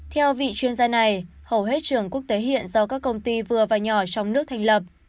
theo vị chuyên gia này hầu hết trường quốc tế hiện do các công ty vừa và nhỏ trong nước thành lập